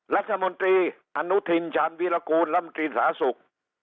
รัฐมนตรีอนุทินชาญวิรากูลรัฐมนตรีสาธารณสุข